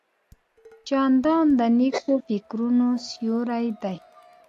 جانداد د نیکو فکرونو سیوری دی.